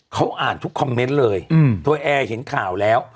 เขาอ่านทุกคอมเมนต์เลยตัวแอร์เห็นข่าวแล้ว